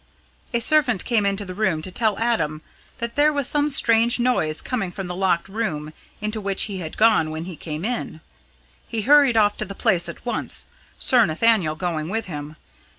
A servant came into the room to tell Adam that there was some strange noise coming from the locked room into which he had gone when he came in. He hurried off to the place at once, Sir Nathaniel going with him.